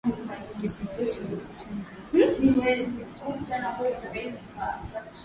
Kisiwa changuu ni kisiwa kidogo kinachopatikana visiwani zanzibar